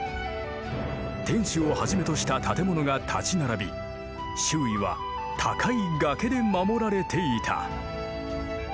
天守をはじめとした建物が立ち並び周囲は高い崖で守られていた。